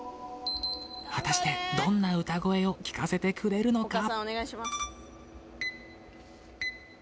果たしてどんな歌声を聴かせてくれるのか？